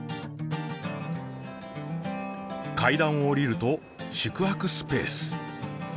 階段を下りると宿泊スペース。